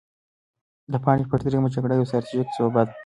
د پاني پت درېیمه جګړه یوه ستراتیژیکه سوبه وه.